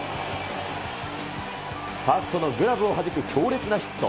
ファーストのグラブをはじく強烈なヒット。